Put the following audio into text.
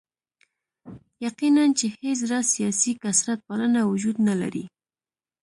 یقیناً چې هېڅ راز سیاسي کثرت پالنه وجود نه لري.